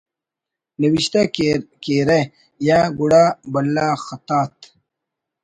نوشتہ کیرہ یا گڑا بھلا خطاط